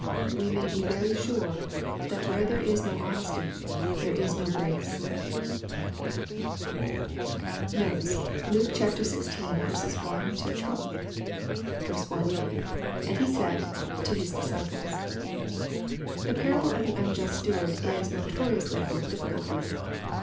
We may be very sure that where there is no honesty, there is no grace. Notes. Luke XVI. 1—12. I. {And he 8aid...to his disciples.] The parable of the unjust steward is notoriously full of difficulties.